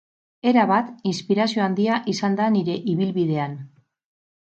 Erabat, inspirazio handia izan da nire ibilbidean.